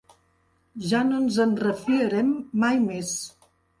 Ja no ens en refiarem mai més.